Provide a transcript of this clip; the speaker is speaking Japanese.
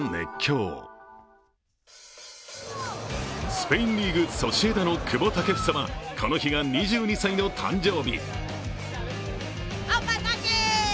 スペインリーグ、ソシエダの久保建英はこの日が２２歳の誕生日。